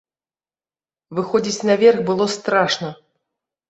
Выходзіць на верх было страшна.